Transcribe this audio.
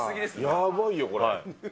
やばいよ、これ。